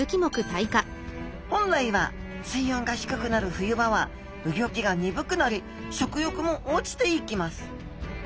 本来は水温が低くなる冬場はうギョきが鈍くなり食欲も落ちていきます。